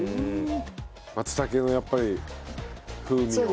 松茸のやっぱり風味を。